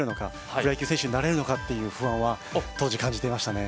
プロ野球選手になれるのかという不安は当時感じていましたね。